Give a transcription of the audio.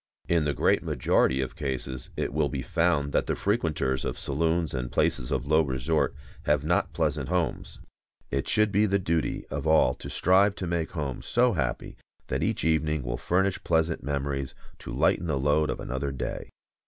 In the great majority of cases it will be found that the frequenters of saloons and places of low resort have not pleasant homes. It should be the duty of all to strive to make home so happy that each evening will furnish pleasant memories to lighten the load of another day.